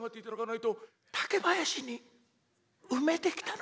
「竹林に埋めてきたのか？」。